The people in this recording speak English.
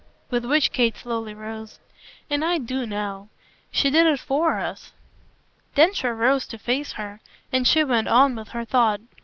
With which Kate slowly rose. "And I do now. She did it FOR us." Densher rose to face her, and she went on with her thought.